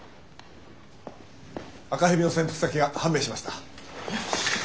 赤蛇の潜伏先が判明しました。